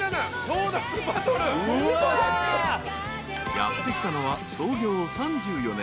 ［やって来たのは創業３４年